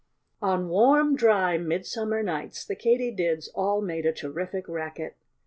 On warm, dry, midsummer nights the Katydids all made a terrific racket.